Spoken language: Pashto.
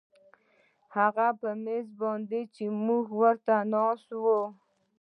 هغه میز باندې چې موږ ورته ناست وو